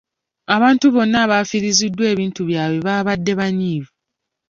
Abantu bonna abaafiiriziddwa ebintu byabwe baabadde banyiivu.